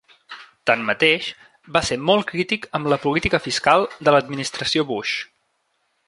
Tanmateix, va ser molt crític amb la política fiscal de l'Administració Bush.